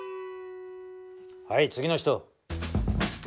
はい次の人。